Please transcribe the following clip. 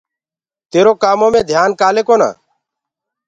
تيرو ڪآمو مي ڌيآن ڪآلي ڪونآ؟